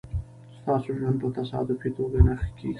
ستاسو ژوند په تصادفي توگه نه ښه کېږي